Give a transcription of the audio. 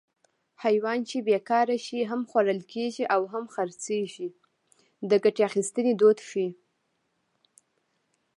حیوان چې بېکاره شي هم خوړل کېږي هم خرڅېږي د ګټې اخیستنې دود ښيي